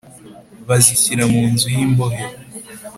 bazishyira mu nzu y imbohe